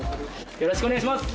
よろしくお願いします！